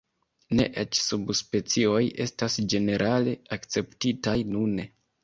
Ne eĉ subspecioj estas ĝenerale akceptitaj nune.